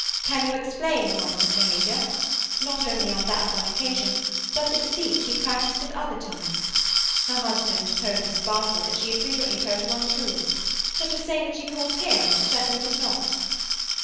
Can you explain Monica's behaviour—not only on that one occasion, but the deceit she practised at other times? Her husband told Miss Barfoot that she had frequently told him untruths—such as saying that she called here when she certainly did not."